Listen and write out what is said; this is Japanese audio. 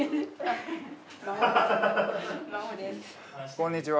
こんにちは。